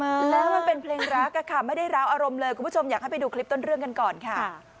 แล้วมันเป็นเพลงรักค่ะไม่ได้ร้าวอารมณ์เลยคุณผู้ชมอยากให้ไปดูคลิปต้นเรื่องกันก่อนค่ะ